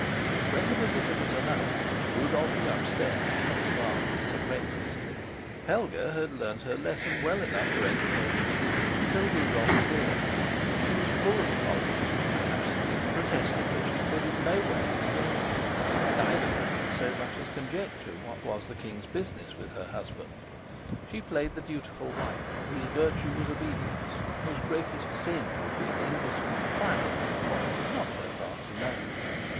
When the visitor was announced Rudolf was upstairs, having a bath and some breakfast. Helga had learnt her lesson well enough to entertain the visitor until Rudolf appeared. She was full of apologies for my absence, protesting that she could in no way explain it; neither could she so much as conjecture what was the king's business with her husband. She played the dutiful wife whose virtue was obedience, whose greatest sin would be an indiscreet prying into what it was not her part to know.